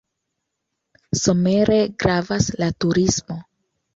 Somere gravas la turismo.